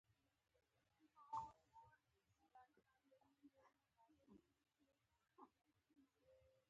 د هېواد هره سیمه ځانګړي او خوندور محلي خواړه لري.